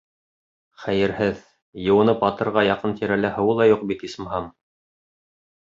Хәйерһеҙ, йыуынып атырға яҡын-тирәлә һыуы ла юҡ бит, исмаһам!